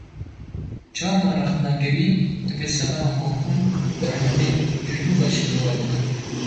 Carna rexnegirî dibe sedem ku hûn berhemê ji nû ve şîrove bikin